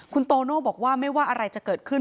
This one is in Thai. คุณโตโน่บอกว่าไม่ว่าอะไรจะเกิดขึ้น